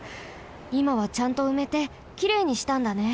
いまはちゃんとうめてきれいにしたんだね。